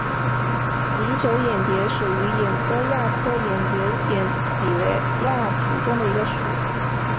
拟酒眼蝶属是眼蝶亚科眼蝶族眼蝶亚族中的一个属。